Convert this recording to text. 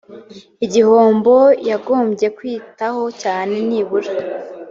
igihombo yagombye kwitaho cyane nibura